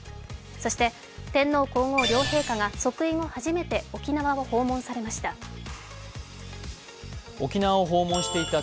そして天皇皇后両陛下が即位後初めて沖縄を訪問されました。